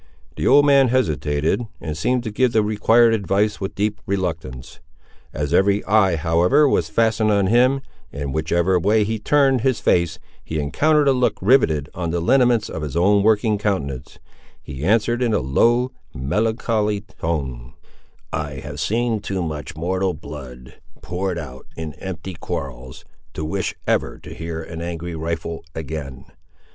The old man hesitated, and seemed to give the required advice with deep reluctance. As every eye, however, was fastened on him, and whichever way he turned his face, he encountered a look riveted on the lineaments of his own working countenance, he answered in a low, melancholy, tone— "I have seen too much mortal blood poured out in empty quarrels, to wish ever to hear an angry rifle again.